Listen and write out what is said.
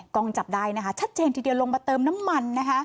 กล้องจับได้ชัดเจนทีเดียวลงมาเติมน้ำมัน